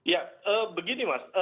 ya begini mas